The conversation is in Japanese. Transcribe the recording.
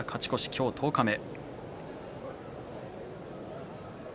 今日十日目。